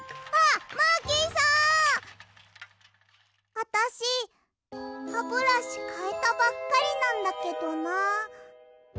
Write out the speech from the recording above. あたしハブラシかえたばっかりなんだけどな。